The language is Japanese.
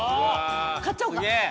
買っちゃおうか。